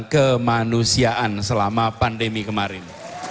kemanusiaan selama pandemi kemarin